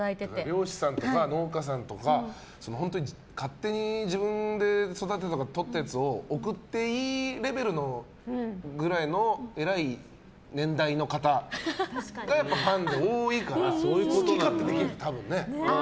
漁師さんとか農家さんとか勝手に自分で育てたとかとったやつを送っていいレベルぐらいの偉い年代の方がファンに多いから好き勝手できる、多分。